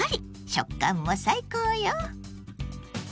食感も最高よ。